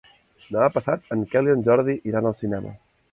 Demà passat en Quel i en Jordi iran al cinema.